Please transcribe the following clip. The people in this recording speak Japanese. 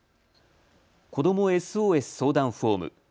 子どもＳＯＳ相談フォーム。